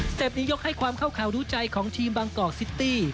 เต็ปนี้ยกให้ความเข้าข่าวรู้ใจของทีมบางกอกซิตี้